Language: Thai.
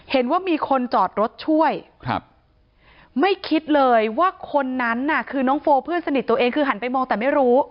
เห็นว่ามีคนจอดรถช่วยครับไม่คิดเลยว่าคนนั้นน่ะคือน้องโฟเพื่อนสนิทตัวเองคือหันไปมองแต่ไม่รู้